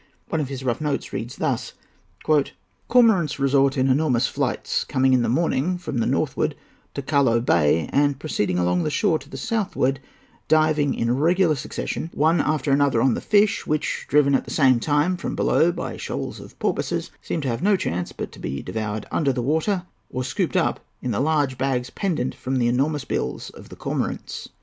One of his rough notes runs thus:—"Cormorants resort in enormous nights, coming in the morning from the northward to Callao Bay, and proceeding along shore to the southward, diving in regular succession one after another on the fish which, driven at the same time from below by shoals of porpoises, seem to have no chance but to be devoured under water or scooped up in the large bags pendent from the enormous bills of the cormorants."